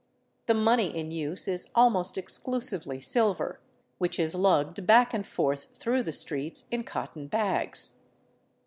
The money in use is almost exclusively silver, which is lugged back and forth through the streets in cotton bags.